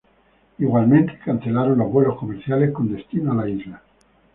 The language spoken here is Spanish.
Igualmente, cancelaron los vuelos comerciales con destino a la isla.